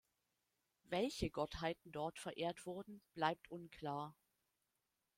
Welche Gottheiten dort verehrt wurden, bleibt unklar.